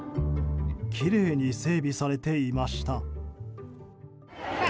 きれいに整備されていました。